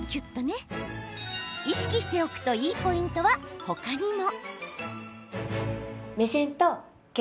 意識しておくといいポイントは他にも。